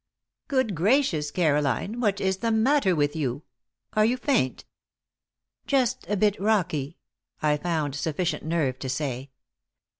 Good gracious, Caroline, what is the matter with you? Are you faint?" "Just a bit rocky," I found sufficient nerve to say.